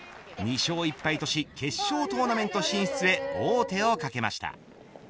２勝１敗とし決勝トーナメント進出へ王手を懸けました。